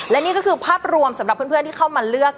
และนี่ก็คือภาพรวมสำหรับเพื่อนที่เข้ามาเลือก